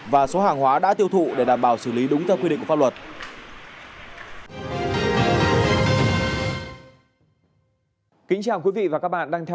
và số hàng hóa đã tiêu thụ để đảm bảo xử lý đúng theo quy định của pháp luật